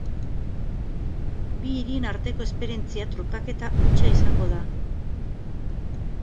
Bi hirien arteko esperientzia trukaketa hutsa izango da.